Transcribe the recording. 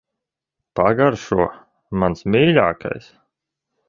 Pagaršo. Mans mīļākais.